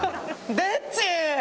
でっち！